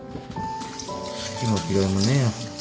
好きも嫌いもねえよ。